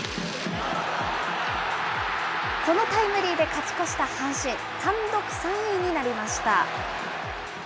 このタイムリーで勝ち越した阪神、単独３位になりました。